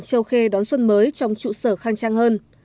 châu khê đón xuân mới trong trụ sở khang trang hơn